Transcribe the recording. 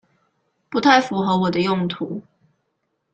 不太符合我的用途